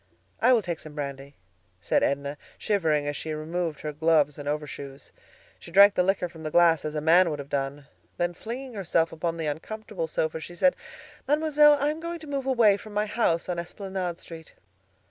"I will take some brandy," said Edna, shivering as she removed her gloves and overshoes. She drank the liquor from the glass as a man would have done. Then flinging herself upon the uncomfortable sofa she said, "Mademoiselle, I am going to move away from my house on Esplanade Street."